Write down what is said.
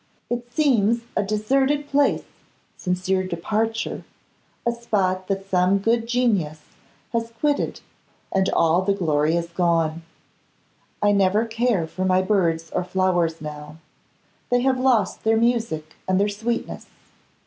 It seems a deserted place since your departure, a spot that some good genius has quitted, and all the glory has gone. I never care for my birds or flowers now. They have lost their music and their sweetness.